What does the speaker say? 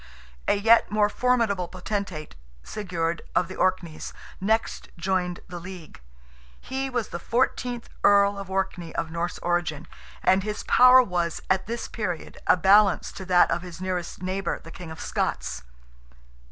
A yet more formidable potentate, Sigurd, of the Orkneys, next joined the league. He was the fourteenth Earl of Orkney of Norse origin, and his power was, at this period, a balance to that of his nearest neighbour, the King of Scots.